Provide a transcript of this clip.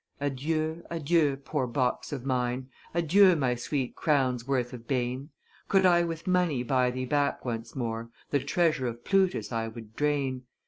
Adieu, adieu, poor box of mine; Adieu, my sweet crowns' worth of bane; Could I with money buy thee back once more, The treasury of Plutus I would drain.